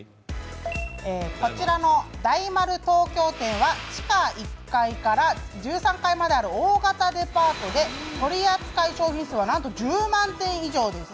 こちらの大丸東京店は地下１階から１３階まである大型デパートで取り扱い商品数はなんと１０万点以上です。